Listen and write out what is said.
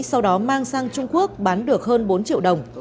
sau đó mang sang trung quốc bán được hơn bốn triệu đồng